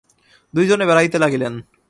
দুইজনে বেড়াইতে লাগিলেন।